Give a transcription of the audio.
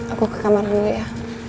aku ke kamaran dulu ya